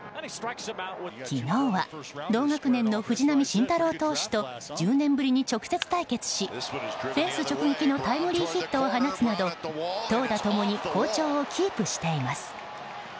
昨日は同学年の藤浪晋太郎投手と１０年ぶりに直接対決しフェンス直撃のタイムリーヒットを放つなど投打ともに好調をキープしています。